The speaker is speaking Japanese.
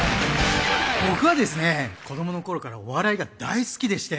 僕はですね子どものころからお笑いが大好きでして。